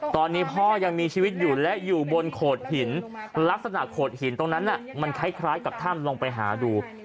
ตอนนี้พ่อยังมีชีวิตอยู่และอยู่บนโขดหินลักษณะโขดหินตรงนั้นมันคล้ายกับถ้ำลองไปหาดู